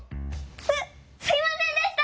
すすいませんでした！